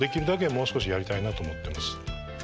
もう少しやりたいなと思ってます。